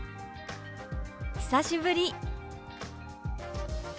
「久しぶり」。